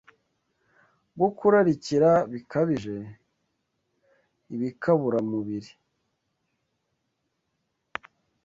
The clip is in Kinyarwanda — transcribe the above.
bwo kurarikira bikabije ibikaburamubiri.